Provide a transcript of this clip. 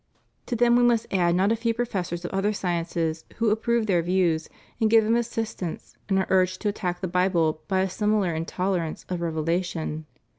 To them we must add not a few professors of other sciences who approve their views and give them assistance, and are urged to attack the Bible by a similar intolerance of revelation.